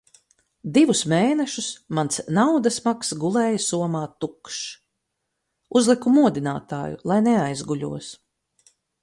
Divus mēnešus mans naudas maks gulēja somā tukšs. Uzliku modinātāju, lai neaizguļos.